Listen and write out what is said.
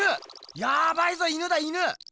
ヤバいぞ犬だ犬！